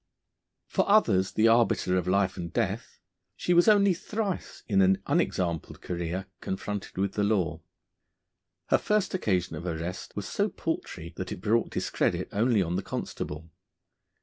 For others the arbiter of life and death, she was only thrice in an unexampled career confronted with the law. Her first occasion of arrest was so paltry that it brought discredit only on the constable.